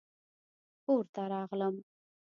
کور ته راغلم